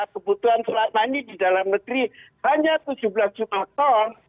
kebutuhan sholat mandi di dalam negeri hanya tujuh belas juta ton